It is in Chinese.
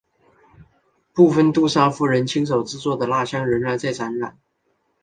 部分杜莎夫人亲手制作的蜡象仍然在展览。